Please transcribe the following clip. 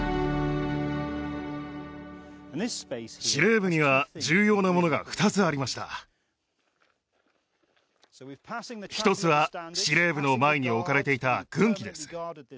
司令部には重要なものが二つありました一つは司令部の前に置かれていた軍旗です